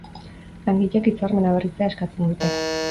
Langileek hitzarmena berritzea eskatzen dute.